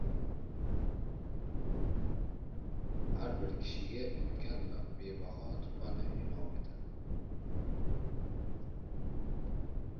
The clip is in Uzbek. Hayot har bir kishiga ulkan va bebaho tuhfa in’om etadi